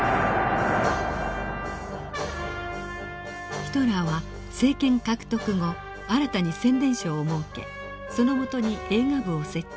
ヒトラーは政権獲得後新たに宣伝省を設けそのもとに映画部を設置。